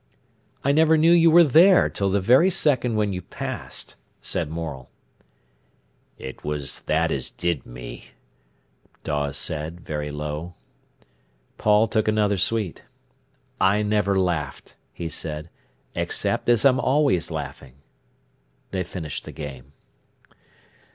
"I never knew you were there till the very second when you passed," said Morel. "It was that as did me," Dawes said, very low. Paul took another sweet. "I never laughed," he said, "except as I'm always laughing." They finished the game.